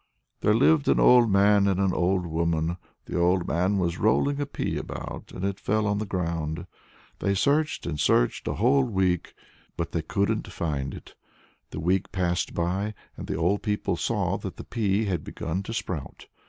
"There lived an old man and an old woman; the old man was rolling a pea about, and it fell on the ground. They searched and searched a whole week, but they couldn't find it. The week passed by, and the old people saw that the pea had begun to sprout.